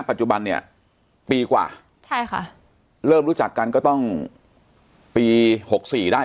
ปัจจุบันเนี่ยปีกว่าใช่ค่ะเริ่มรู้จักกันก็ต้องปีหกสี่ได้